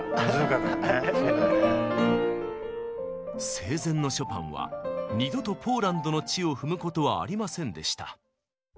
生前のショパンは二度とポーランドの地を踏むことはありませんでした。